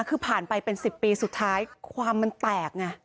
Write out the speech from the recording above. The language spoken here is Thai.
คือผ่านไปเป็น๑๐ปีสุดท้ายความมันแตกไง